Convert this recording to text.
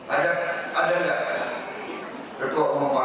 ada ada enggak